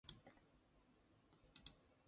起来，全世界受苦的人！